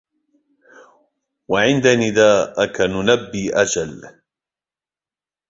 وعند نداك نلبي أجل